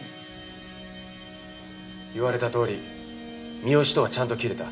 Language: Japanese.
言われた通り三好とはちゃんと切れた。